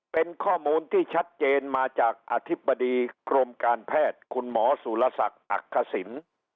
เป็นข้อมูลที่ชัดเจนมาจากอธิบดีกรมการแพทย์คุณหมอสุรศักดิ์อักษิณ